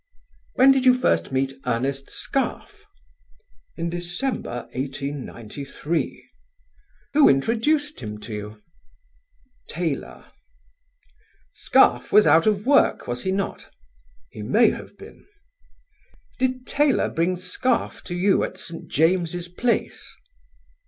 "When did you first meet Ernest Scarfe?" "In December, 1893." "Who introduced him to you?" "Taylor." "Scarfe was out of work, was he not?" "He may have been." "Did Taylor bring Scarfe to you at St. James's Place?"